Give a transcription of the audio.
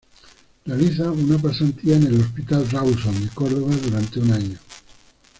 Realiza una pasantía en el Hospital Rawson de Córdoba durante un año.